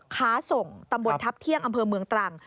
ค้าส่งตำบลทัพเที่ยงอำเภอเมืองตรัง